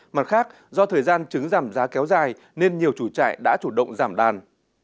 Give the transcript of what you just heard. mặt khác do thời gian trứng giảm giá kéo dài nên nhiều chủ trại đã chủ động giảm đàn